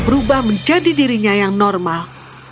berubah menjadi dirinya yang normal